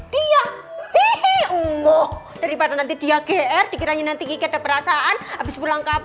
dianggap dia hihihi umuh daripada nanti dia gr dikirain nanti kita berasaan habis pulang kapur